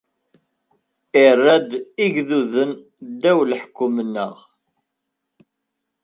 Irra-d igduden ddaw n leḥkem-nneɣ.